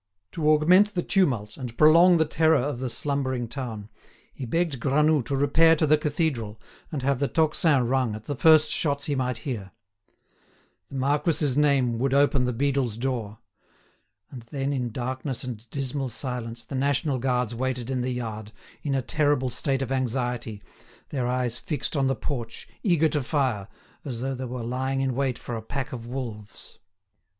To augment the tumult, and prolong the terror of the slumbering town, he begged Granoux to repair to the cathedral and have the tocsin rung at the first shots he might hear. The marquis's name would open the beadle's door. And then, in darkness and dismal silence, the national guards waited in the yard, in a terrible state of anxiety, their eyes fixed on the porch, eager to fire, as though they were lying in wait for a pack of wolves.